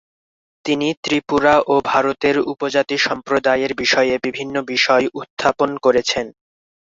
তিনি ত্রিপুরা ও ভারতের উপজাতি সম্প্রদায়ের বিষয়ে বিভিন্ন বিষয় উত্থাপন করছেন।